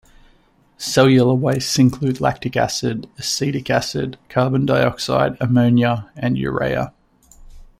Cellular wastes include lactic acid, acetic acid, carbon dioxide, ammonia, and urea.